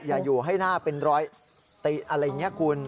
อย่าอยู่ให้หน้าเป็นรอยติอะไรอย่างนี้คุณ